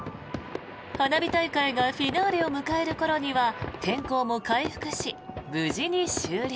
花火大会がフィナーレを迎える頃には天候も回復し、無事に終了。